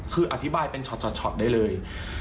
คืออธิบายเป็นช็อตได้เลย